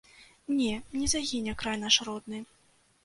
Не, не загіне край наш родны.